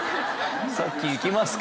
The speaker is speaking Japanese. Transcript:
さっき「行きますか」